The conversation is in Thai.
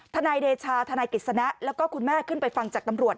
ทนายเดชาธนายกิจสนะแล้วก็คุณแม่ขึ้นไปฟังจากตำรวจ